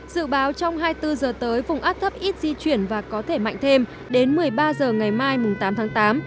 dự báo trong hai mươi bốn giờ tới vùng áp thấp ít di chuyển và có thể mạnh thêm đến một mươi ba h ngày mai tám tháng tám